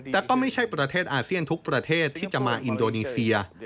แต่ก็ไม่ใช่ประเทศอาเซียนทุกประเทศที่จะมาอินโดนีเซีย